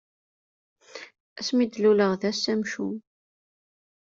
Ass mi d-luleɣ d ass amcum.